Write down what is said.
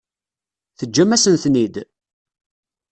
Teǧǧam-asen-ten-id?